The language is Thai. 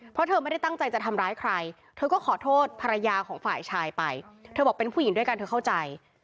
เพราะเธอไม่ได้ตั้งใจจะทำร้ายใครเธอก็ขอโทษภรรยาของฝ่ายชายไปเธอบอกเป็นผู้หญิงด้วยกันเธอเข้าใจ